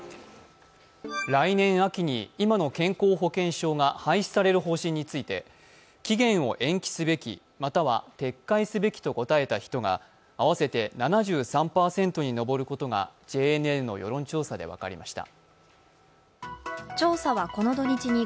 来年秋に今の健康保険証が廃止される方針について、期限を延期すべきまたは撤回すべきと答えた人が合わせて７３％に上ることがＪＮＮの世論調査で分かりました。